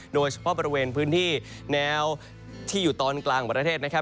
โดยเฉพาะบริเวณพื้นที่แนวที่อยู่ตอนกลางของประเทศนะครับ